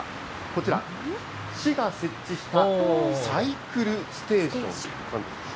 こちら、市が設置したサイクルステーションなんです。